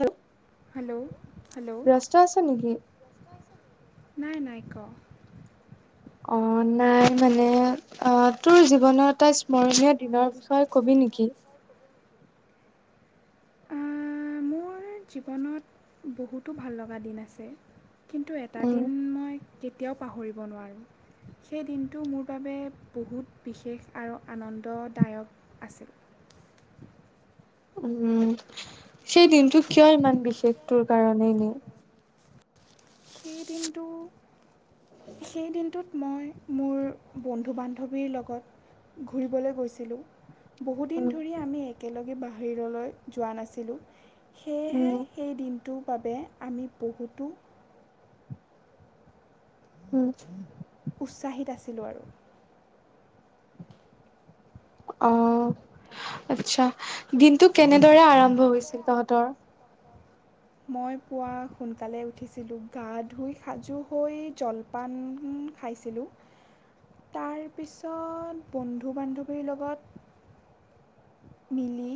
Hello hello hello ভ্ৰষ্ট আছে নেকি নাই নাইক অ' নাই মানে অ' তোৰ জীৱন এ তটা স্মৰণীয় দিনৰ বিষয়ে ক'বি নেকি উম মোৰ জীৱনত বহুতো ভাল লগা দিন আছে কিন্তু এটা উম। দিন মই কেতিয়াও পাহৰিব নোৱাৰোঁ সেই দিনটো মোৰ বাবে বহুত বিশেষ আৰু আনন্দদায়ক আছিল উম, সেই দিনটো কিয় ইমান বিশেষটোৰ কাৰণেই নি সেই দিনটো সেই দিনটোত মই মোৰ বন্ধু বান্ধৱীৰ লগত ঘূৰিবলৈ গৈছিলোঁ বহুদিন উম, ধৰি আমি এক একেলগে বাহিৰলৈ যোৱা নাছিলোঁ উম তটো বাবে আমি বহুতো উম উৎসাহিত আছিলোঁ আৰু অ' আচ্ছা দিনটো কেনে ৰে আৰম্ভ হৈছিল তহঁতৰ মই পুৱা সোনকালে উঠিছিলোঁ গা ধুই সাজু হৈ জলপান খাইছিলোঁ তাৰপিছত বন্ধু বান্ধৱীৰ লগত মিলি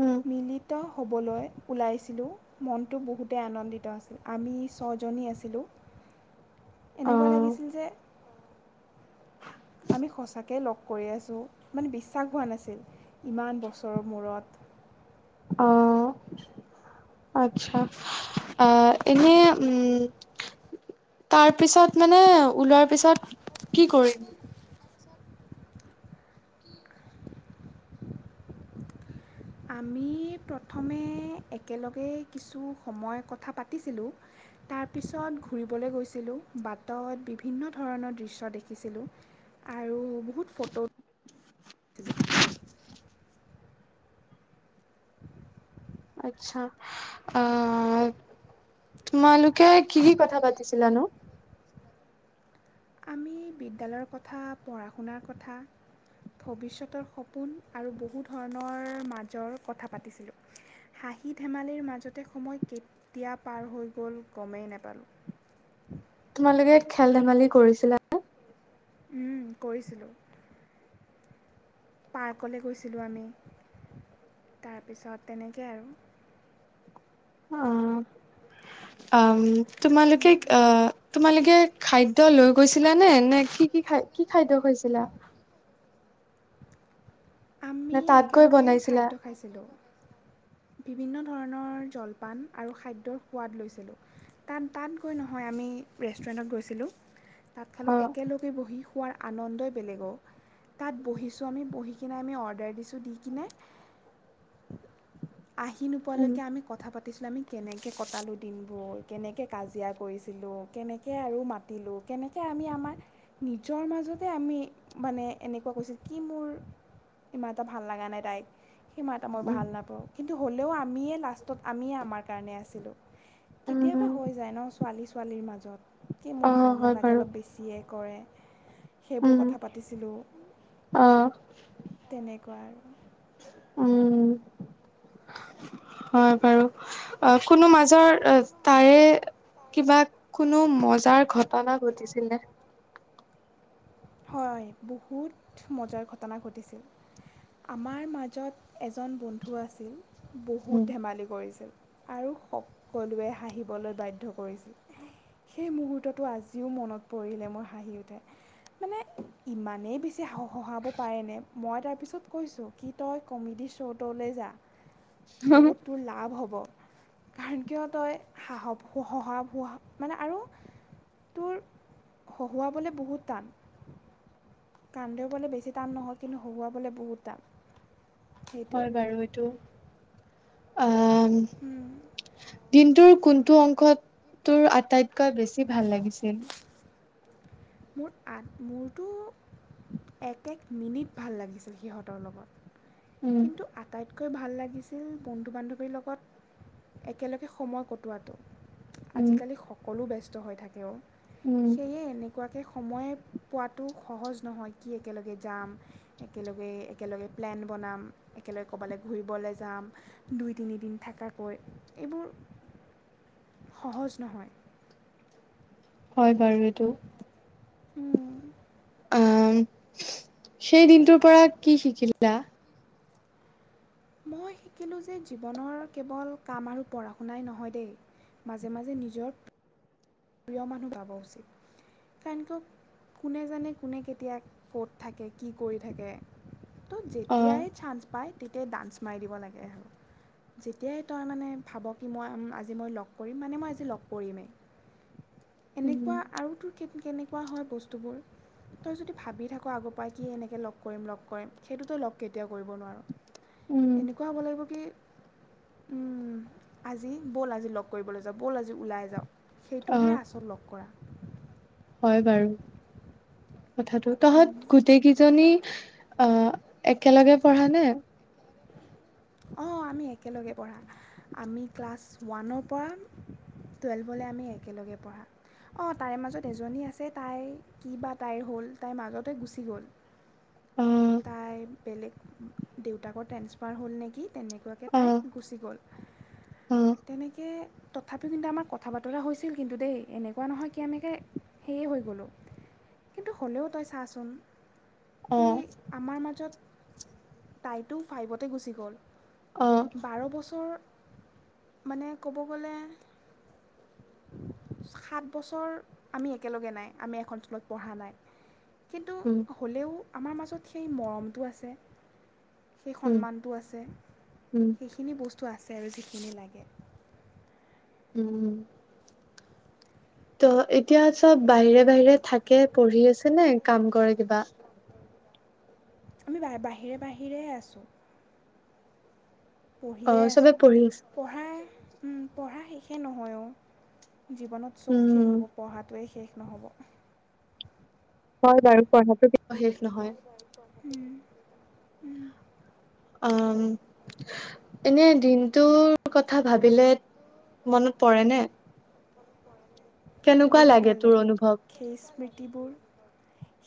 উম, মিলিত হ'বলৈ ওলাইছিলোঁ মনটো বহুতেই আনন্দিত আছিল আমি ছজনী আছিলোঁ এনেকুৱা অ', লাগিছিল যে আমি সঁচাকেই লগ কৰি আছোঁ মানে বিশ্বাস হোৱা নাছিল ইমান বছৰৰ মূৰত অ' আচ্ছা আ এনেই এনেকুৱা তাৰ পিছত মানে ওলোৱাৰ পিছত কি কৰিম আমি প্ৰথমে একেলগে কিছু সময় কথা পাতিছিলোঁ তাৰপিছত ঘূৰিবলৈ গৈছিলোঁ বাটত বিভিন্ন ধৰণৰ দৃশ্য দেখিছিলোঁ আৰু বহুত ফটোোঁ আছা আহ তোমালোকে কি কি কথা পাতিছিলাানো আমি বিদ্যালয়ৰ কথা পঢ়া শুনাৰ কথা ভৱিষ্যতৰ সপোন আৰু বহু ধৰণৰ মাজৰ কথা পাতিছিলোঁ হাঁহি ধেমালিৰ মাজতে সময় কেতিয়া পাৰ হৈ গ'ল গমেই নাপালোঁ তোমালোকে খেল ধেমালি কৰিছিলা উম কৰিছিলোঁ পাৰ্কলৈ গৈছিলোঁ আমি তাৰপিছত তেনেকৈ আৰু উম তোমালোকে তোমালোকে খাদ্য লৈ গৈছিলা নে নে কি, কি খ কি খাদ্য খাইছিলা? নে আমি তাত গৈ একেলগে বনাইছিলা খাদ্য খাইছিলোঁ বিভিন্ন ধৰণৰ জলপান আৰু খাদ্যৰ সোৱাদ লৈছিলোঁ তাত তাত গৈ নহয় আমি ৰেষ্টুৰেণ্টত গৈছিলোঁ তাত অ খালোঁ একেলগে বহি খোৱাৰ আনন্দই বেলেগৰ তাত বহিছোঁ আমি বহি নে আ অ কিনে আহি উম নোপোৱালৈকে আমি কথা পা পাতিছিলোঁ আমি কেনেকৈ কটালোঁ দিনবোৰ কেনেকৈ কাজিয়া কৰিছিলোঁ কেনেকৈ আৰু মাতিলোঁ কেনেকৈ আমি আমাৰ নিজৰ মাজতে আমি মানে এনেকুৱা কৈছিলোঁ কি মোৰ ইমান এটা ভাল লগা নাই তাইক সিমানা এটা মই ভাল নাপাওঁ কিন্তু হ'লেও আমিয়ে লাষ্ট ত'ত আমিয়ে আমাৰ কাৰণে আছিলোঁ। কেতিয়াবা উম হৈ যায় ন ছোৱালী। ছোৱালীৰ মাজত কি অ মোৰ ভাল হয় নালাগে বাৰু অলপ বেছিয়ে। কৰে সেইবোৰ উম কথা পাতিছিলোঁ। অ তেনেকুৱা আৰু উম হয় বাৰু অ কোনো মাজৰ তাৰে কিবা কোনো ম যাৰ ঘটনা ঘটিছিলে। হয় বহুত মজাৰ ঘটনা ঘটিছিল আমাৰ মাজত। এজন বন্ধু আছিল বহুত ধেমালি কৰিছিল। আৰু সকলোৱে হাঁহিবলৈ বাধ্য কৰিছিল সেই মুহূৰ্তটো আজিও মনত পৰিলে মোৰ হাঁহি উঠে। মানে ইমানেই বেছি। সঁহাব পাৰেনে। মই তাৰপিছত কৈছোঁ কি তই কমেডী শ্ব'টোলৈ যা বহুত তোৰ লাভ হ'ব। কাৰণ কিয় তই সাহস সাহহ মানে আৰু তোৰ হহুৱাবলৈ বহুত টান। কান্দবলৈ বেছি টান নহয় কিন্তু হহুৱাবলৈ বহুত টান। সেইটোৱে হয় বাৰু এইটো দিনটোৰ কি টো অংশত তোৰ আটাইতকৈ বেছি ভাল লাগিছিল। মোৰ আ মোৰতো এক এক মিনিট ভাল লাগিছিল সিহঁতৰ লগত উম কিন্তু আটাইতকৈ আকৈ ভাল লাগিছিল বন্ধু বান্ধৱীৰ লগত একেলগে সময় কটোৱাটো। উম, আজিকালি সকলো ব্যস্ত। হৈ থাকেও উম, সেয়ে এনেকুৱাকে সময় পোৱাতো সহজ নহয় কি একেলগে যাম একেলগে একেলগে প্লেন বনাম একেলগে ক'ৰবালৈ ঘূৰিবলৈ যাম দুই তিনিদিন থাকাকে এইবোৰ সহজ নহয় হয় বাৰু এইটো। উম আহ সেই দিনটোৰ পৰা কি শিকিলা? মই শিকিলোঁ যে জীৱনৰ কেৱল কাম আৰু পঢ়া শুনাই নহয় দেই মাজে মাজে নিজৰ প্ৰিয় মানুহ পাব উচিত কাৰণ কিয় কোনে জানে কোনে কেতিয়া ক'ত থাকে কি কৰি থাকে। ত' অ', যেতিয়াই চান্স পায়। তেতিয়াই ডান্স মাৰি দিব লাগে আৰু যেতিয়াই তই মানে ভাব কি মই আজি মই লগ কৰিম মানে মই আজি লগ কৰিমেই। এনেকুৱা উম, আৰু তোৰ। কেনেকুৱা হয় বস্তুবোৰ তই যদি ভাবি থাক আগৰ পৰাই কি এনেকৈ লগ কৰিম লগ কৰিম সেইটোতই লগ কেতিয়াও কৰিব নোৱাৰো। উম, এনেকুৱা হ'ব লাগিব কি উম আজি ব'ল আজি লগ কৰিবলৈ যাও ব'ল আজি ওলাই যাও। সেইটোহে অ', আচত লগ কৰা। হয় বাৰু। কথাটো উম, তহঁত গোটেইকেইজনী অ একেলগে পঢ়া নে। অ, আমি একেলগে পঢ়া আমি ক্লাছ ওৱানৰ পৰা টুৱেলভলৈ আমি একেলগে পঢ়া অ তাইৰ মাজত এজনী আছে তাই কি বা তাইৰ হ'ল তাইৰ মাজতে গুচি গ'ল অ', তাই বেলেগ দেউতাকৰ ট্ৰেন্সফাৰ হ'ল নেকি কি তেনেকুৱাকৈ তাই অ', গুচি গ'ল অ', তেনেকৈ তথাপিও কিন্তু আমাৰ কথা বতৰা হৈছিল কিন্তু দেই এনেকুৱা নহয় কি আমকৈ সেয়ে হৈ গ'লো কিন্তু হ'লেও তই চাচোন কি অ', আমাৰ মাজত তাইতো ফাইভতে গুচি গ'ল অ', বাৰ বছৰ মানে ক'ব গ'লে সাত বছৰ আমি একেলগে নাই আমি এখন স্কুলত পঢ়া নাই কিন্তু উম, হ'লেও। আমাৰ মাজত সেই মৰমটো আছে সেই উম, সন্মানটো আছে। উম, সেইখিনি বস্তু আছে চেলজিখিনি লাগে। উম। ত, এতিয়া চব বাহিৰে বাহিৰে থাকে পঢ়ি আছে নে কাম। কৰে কিবা। আমি বাহিৰে বাহিৰে আছো। পঢ়িয়ে অ', চবে আছোঁ পঢ়ি আছে। পঢ়াই পঢ়া শেষে নহয় অ জীৱনত চব শেষ উম, হ'ব পঢ়াটোৱেই শেষ নহ'ব। হয় বাৰু পঢ়াটো কিয় শেষ নহয়। নহ'ব অ এনে দিনটোৰ কথা ভাবিলে মনত পৰে ন কেনেকুৱা লাগে তোৰ অনুভৱ স। ব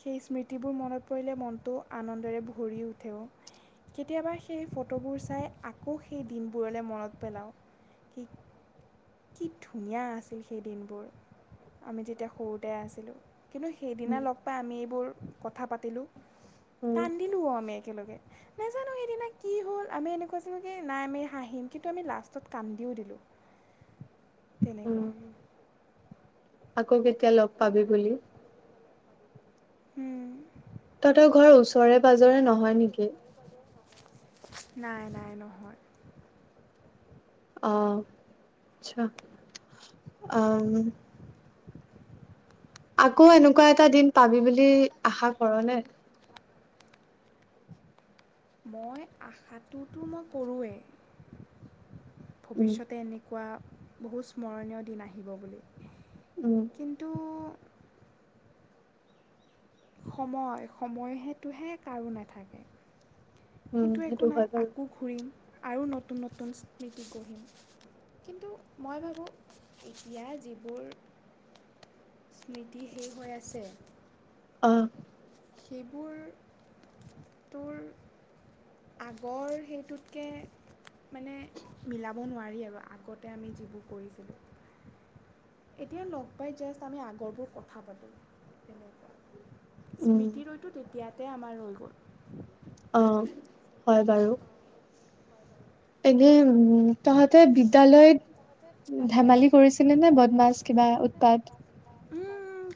সেই স্মৃতিবোৰ মনত পৰিলে মনটো আনন্দৰে ভৰি উঠেও কেতিয়াবা সেই ফটোবোৰ চাই আকৌ সেই দিনবোৰলৈ মনত পেলাওঁ কি ধুনীয়া আছিল সেই দিনবোৰ আমি যেতিয়া সৰুতে আছিলো। কিন্তু সেইদিনা লগ পাই আমি এইবোৰ। কথা পাতিলোঁ। কান্দিলো আমি একেলগে নাজানো সেইদিনা কি হল আমি এনেকুৱা কৈছিলোঁ কি নাই আমি হাঁহিম কিন্তু আমি লাষ্টত কান্দিও দিলোঁ তেনেকুৱা। উম, আকৌ কেতিয়া লগ পাবি বুলি? উম। তহঁতৰ ঘৰৰ ওচৰে পাজৰে নহয় নেকি? নাই নাই নহয়। আহ আচ্ছা আহ। আকৌ এনেকুৱা এটা দিন পাবি বুলি আশা কৰ নে? মই আশাটোতো মই কৰোঁৱেই। উম, ভৱিষ্যতে এনেকুৱা বহু স্মৰণীয় দিন আহিব বুলি। উম, কিন্তু সময় সময় সেতটোহে কাৰো নাথাকে। উম, কিন্তু একো সেইটো নাই হয় বাৰু। আকৌ ঘূৰিম। আৰু নতুন নতুন স্মৃতি গঢ়িম কিন্তু মই ভাবোঁ এতিয়া যিবোৰ স্মৃতি শেষ হৈ আছে। অ। সেইবোৰ তোৰ আগৰ সেইটোতকৈ মানে মিলাব নোৱাৰি আৰু আগতে আমি যিবোৰ কৰিছিলোঁ। এতিয়া লগ পাই জাষ্ট আমি আগৰবোৰ কথা পাতো তেনেকুৱা। উম, স্মৃতি ৰৈটো তেতিয়াতে আমাৰ ৰৈ গ'ল। [unintelligible] অ হয় বাৰু। উম এনেই তহঁত বিদ্যালয়ত ধেমালি কৰিছিলে নে বদমাছ কিবা উৎপাত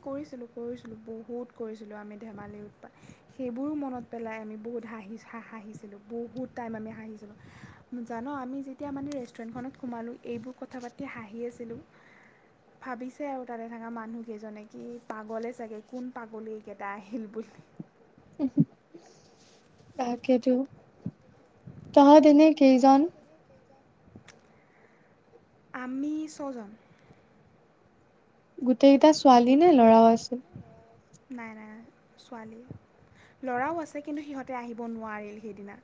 কৰিছিলোঁ, কৰিছিলোঁ, বহুত কৰিছিলোঁ আমি ধেমালি উৎপাত সেইবোৰো মনত পেলাই আমি বহুত হাঁহি হাঁহিছিলোঁ বহুত টাইম আমি হাঁহিছিলোঁ জান আমি যেতিয়া মানে ৰেষ্টুৰেণ্টখনত সোমালোঁ এইবোৰ কথা পাতি হাঁহি আছিলোঁ। ভাবিছে আৰু তাৰে থকা মানুহকেইজনে কি পাগলে চাগে কোন পাগলীকেইটা আহিল বুলি। উম। তাকেইো তহঁত এনেই কেইজন আমি ছজন। গোটেইকেইটা ছোৱালী নে ল'ৰাও আছিল। নাই নাই ছোৱালী, ল'ৰাও আছে কিন্তু সিহঁতে আহিব নোৱাৰিল সেইদিনা।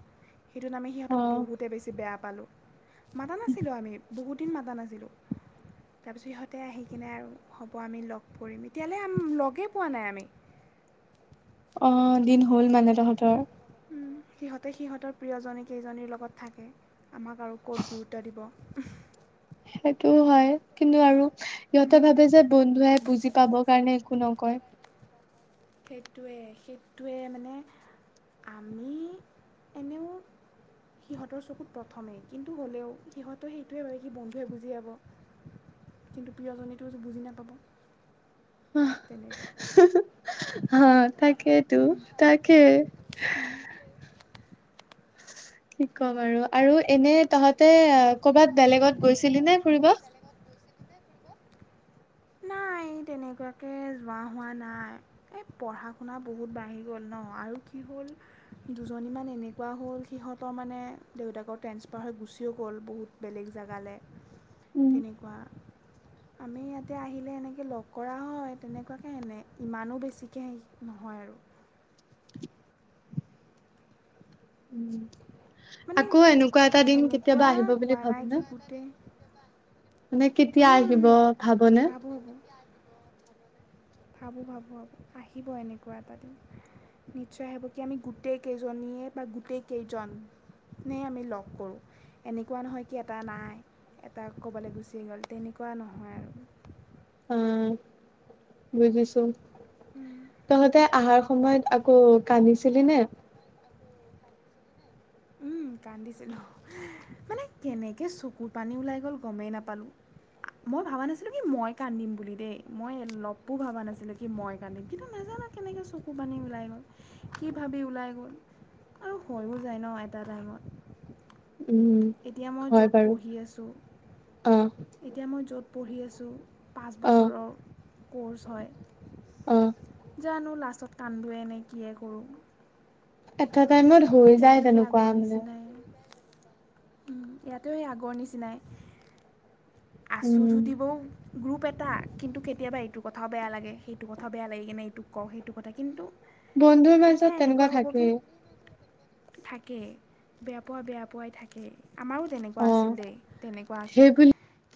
সেটোত আমি সিহঁতক অ'। বহুতে বেছি বেয়া পালোঁ। মাতা নাছিলোঁ আমি বহুত মাতা নাছিলোঁ, তাৰপিছত সিহঁতে আহি কেনে হব আমি লগ কৰিম, তেতিয়াহলে লগেই পোৱা নাই আমি। উম দিন হ'ল মানে তহঁতৰ। সিহঁতে সিহঁতৰ প্ৰিয়জী কেইজনীৰ লগত থাকে। আমাক আৰু ক'ত গুৰুত্ব দিব। উম। সেইটোও হয় কিন্তু আৰু সিহঁতে ভাবে যে বন্ধুৱাই বুজি পাবৰ কাৰণে একো নকয় সেইটোৱে সেইটোৱে মানে আমি এনেও সিহঁতৰ চকুত প্ৰথমেই কিন্তু হ'লেও সিহঁতে সেইটোৱে ভাবে কি বন্ধুৱে বুজি যাব কিন্তু প্ৰিয়জনীতো বুজি নাপাব তেনেকুৱা হ তাকেইতো তাকে কি ক ব সেইটোৱে আৰুু আৰু এনে তহঁতে কৰ'বাত বেলেগত গৈছিলি নে ফুৰিবা নাই তেনেকুৱাকৈ যোৱা হোৱা নাই এই পঢ়া শুনা বহুত বাঢ়ি গ'ল ন আৰু কি হ'ল দুজনীমান এনেকুৱা হ'ল সিহঁতৰ মানে দেউতাকৰ ট্ৰেঞ্চফাৰ হৈ গুচিও গ'ল বহুত বেলেগ জেগালৈ উম তেনেকুৱা আমি ইয়াত তেয়া আহিলে এনেকৈ লগ কৰা হয় তেনেকুৱাকৈ এেনে ইমানো বেছিকৈ হেৰি নহয় আৰু উম মানে আকৌ এনেকুৱা এটা দিন কেতিয়াবা এনেকুৱা আহিব বুলি হোৱা ভাবো নাই কি ন গোটেই মানে কেতিয়া আহিব ভাবনে ভাবোঁ ভাবোঁ ভাবোঁ ভাবোঁ আহিব এনেকুৱা এটা দিন নিশ্চয় হ'িব কি আমি গোটেইকেইজনীয়ে বা গোটেইকেইজনেই আমি লগ কৰোঁ এনেকুৱা নহয় কি এটা নাই এটা ক'বলৈ গুচি গ'ল তেনেকুৱা নহয় আৰু হা বুজিছো তহঁতে আহাৰ সময়ত আকৌ কান্দি ছিলি নে উম কান্দিছিলো মানে কেনেকে চকুৰ পানী ওলাই গ'ল গমেই নাপালো মই ভাবা নাছিলো কি মই কান্দিম বুলি দেই মই অলপো ভাবা নাছিলো কি মই কান্দিম কিন্তু নাজানো কেনেকে চকুৰ পানী ওলাই গ'ল কি ভাবি ওলাই গ'ল আৰু হৈো যায় ন াৰাইমত উম হয় বাৰু অ এতিয়া মই য'ত পঢ়ি আছোঁ পাঁচ অ বছৰৰ কোৰ্চ অ হয়। জানো লাষ্টত কান্দোৱে এনে কিয়ে কৰোঁ। [inaudible] টাইমত হৈ যায় তেনেকুৱা মানে। উ ইয়াতো সেই আগৰ নিচিনাই। আছো উম, যদি বা ও গ্ৰুপ এটা এটা কিন্তু কেতিয়াবা এইটো কথাও বেয়া লাগে, সেইটো কথাও বেয়া লাগে, কিনে এইটোক কওঁ সেইটো কথা কিন্তু বন্ধুৰ মাজত তেনেকুৱা থাকেই। থাকে, বেয়া পোৱা বেয়া পোৱাই থাকে। আমাৰো তেনেকুৱা আছিল অ' দেই তেনেকুৱা আছিল। সেই বুলি